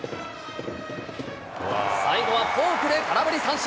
最後はフォークで空振り三振。